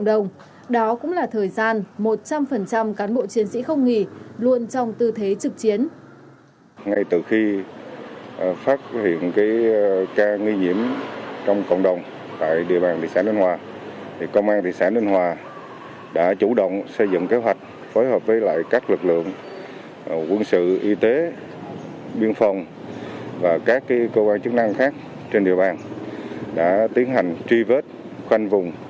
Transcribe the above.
đó cũng là thời gian một trăm linh cán bộ chiến sĩ không nghỉ luôn trong tư thế trực chiến